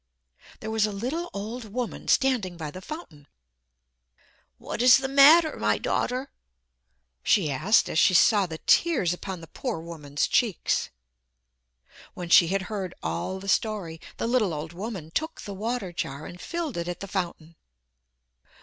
There was a little old woman standing by the fountain. "What is the matter, my daughter?" she asked as she saw the tears upon the poor woman's cheeks. When she had heard all the story, the little old woman took the water jar and filled it at the fountain.